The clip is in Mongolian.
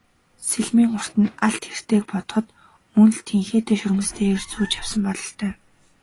Сэлмийн урт нь алд хэртэйг бодоход мөн л тэнхээтэй шөрмөстэй эр зүүж явсан бололтой.